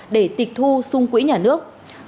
để tịch thu xung quỹ nhà nước